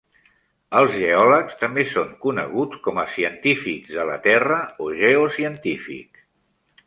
Els geòlegs també són coneguts com a científics de la terra o geocientífics.